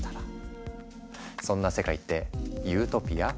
そんな世界ってユートピア？